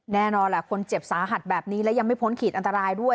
แน่นอนแหละคนเจ็บสาหัสแบบนี้และยังไม่พ้นขีดอันตรายด้วย